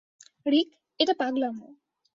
রিক, এটা পাগলামো।